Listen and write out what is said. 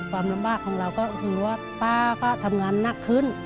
ความลำบากของเราก็คือว่าป้าก็ทำงานหนักขึ้น